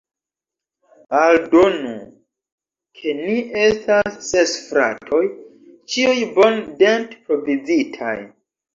Aldonu, ke ni estas ses fratoj, ĉiuj bone dent-provizitaj.